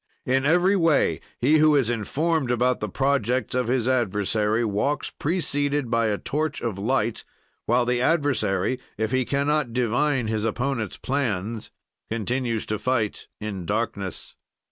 "In every way, he who is informed about the projects of his adversary walks preceded by a torch of light, while the adversary, if he can not divine his opponent's plans, continues to fight in darkness."